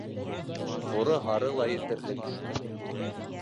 Ҡоро- һары ла етерлек.